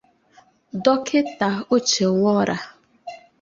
Dọkịta Uche Nworah